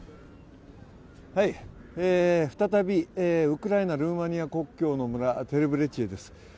再びウクライナ・ルーマニア国境の村、テレブレチェです。